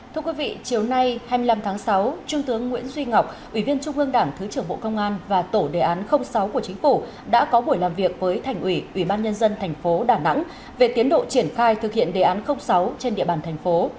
thưa quý vị chiều nay hai mươi năm tháng sáu trung tướng nguyễn duy ngọc ủy viên trung ương đảng thứ trưởng bộ công an và tổ đề án sáu của chính phủ đã có buổi làm việc với thành ủy ủy ban nhân dân thành phố đà nẵng về tiến độ triển khai thực hiện đề án sáu trên địa bàn thành phố